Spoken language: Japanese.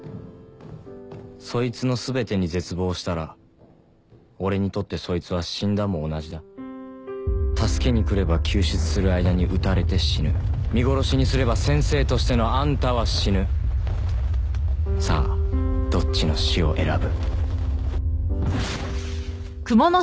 そいつのすべてに絶望したら俺にとってそいつは死んだも同じだ助けに来れば救出する間に撃たれて死ぬ見殺しにすれば先生としてのあんたは死ぬさあどっちの死を選ぶ？